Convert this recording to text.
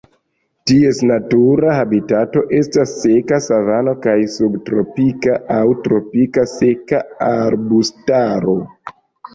Ties natura habitato estas seka savano kaj subtropika aŭ tropika seka arbustaro.